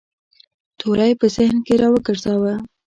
توری په ذهن کې را وګرځاوه.